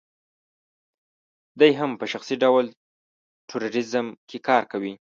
دی هم په شخصي ډول ټوریزم کې کار کوي.